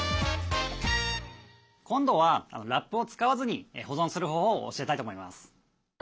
今度はラップを使わずに保存する方法を教えたいと思います。